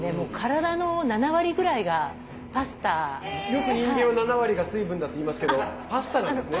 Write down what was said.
よく人間は７割が水分だっていいますけどパスタなんですね。